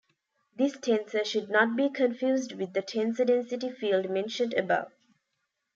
This tensor should not be confused with the tensor density field mentioned above.